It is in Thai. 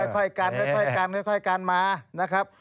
ค่อยกันมานะครับ